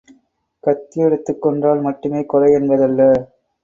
கத்தியெடுத்துக் கொன்றால் மட்டுமே கொலை யென்பதல்ல.